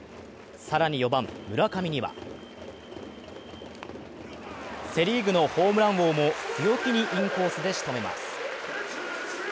更に４番・村上にはセ・リーグのホームラン王も強気にインコースでしとめます。